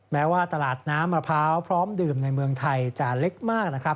แม้ว่าตลาดน้ำมะพร้าวพร้อมดื่มในเมืองไทยจะเล็กมากนะครับ